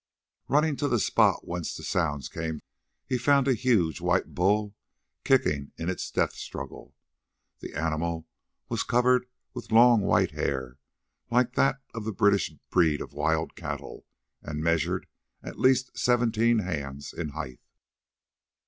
Running to the spot whence the sounds came, he found a huge white bull kicking in its death struggle. The animal was covered with long white hair like that of the British breed of wild cattle, and measured at least seventeen hands in height.